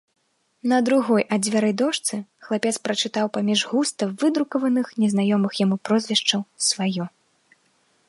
На другой ад дзвярэй дошцы хлапец прачытаў паміж густа выдрукаваных незнаёмых яму прозвішчаў сваё.